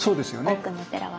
多くのお寺は。